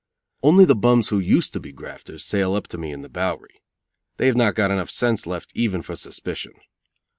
Only the bums who used to be grafters sail up to me in the Bowery. They have not got enough sense left even for suspicion.